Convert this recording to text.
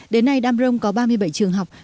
đến nay đam rông có ba mươi bảy trường học